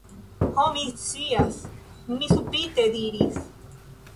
Ho! mi scias! mi subite diris.